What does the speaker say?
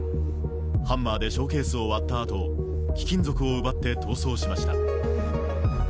ハンマーでショーケースを割ったあと貴金属を奪って逃走しました。